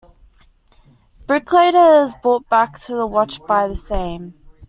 Brick later is brought back to the Watch by the same.